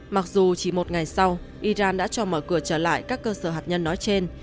mặc dù chỉ một ngày sau iran đã cho mở cửa trở lại các cơ sở hạt nhân nói trên